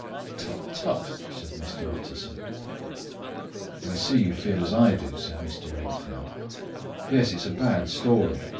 "Tut tut!" said Mr. Utterson. "I see you feel as I do," said Mr. Enfield. "Yes, it's a bad story.